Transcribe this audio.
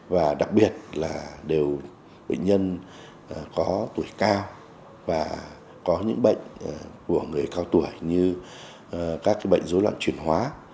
và đặc biệt là đều bệnh nhân có tuổi cao và có những bệnh của người cao tuổi như các bệnh dối loạn chuyển hóa